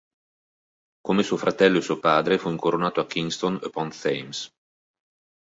Come suo fratello e suo padre fu incoronato a Kingston upon Thames.